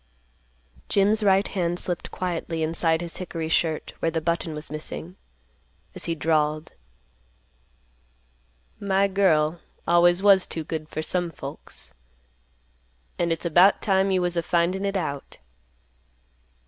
Jim's right hand slipped quietly inside his hickory shirt, where the button was missing, as he drawled, "My girl always was too good for some folks. And it's about time you was a findin' it out.